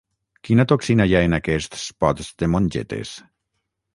Quina toxina hi ha en aquests pots de mongetes?